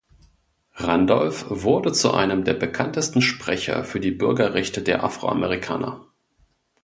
Randolph wurde zu einem der bekanntesten Sprecher für die Bürgerrechte der Afroamerikaner.